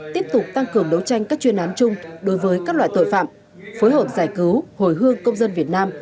tiếp tục tăng cường đấu tranh các chuyên án chung đối với các loại tội phạm phối hợp giải cứu hồi hương công dân việt nam